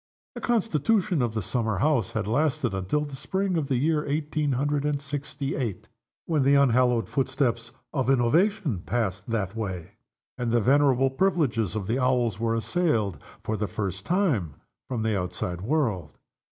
The constitution of the summer house had lasted until the spring of the year eighteen hundred and sixty eight, when the unhallowed footsteps of innovation passed that way; and the venerable privileges of the Owls were assailed, for the first time, from the world outside.